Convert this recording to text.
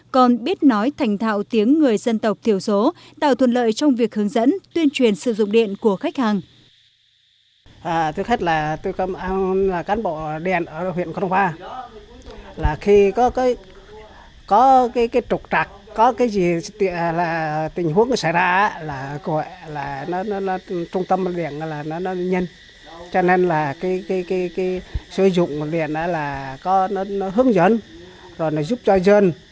còn biết nói thành thạo tiếng người dân tộc thiểu số tạo thuận lợi trong việc hướng dẫn tuyên truyền sử dụng điện của khách hàng